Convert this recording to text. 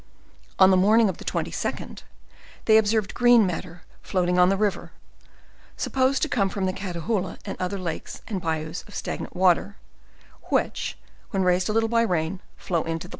On the morning : of the 22d,, they observed, green matter floating on the river, supposed : to come from the Catahoola and other lakes and bayous of stagnant water, which,, when raised a little by rain, flow into the.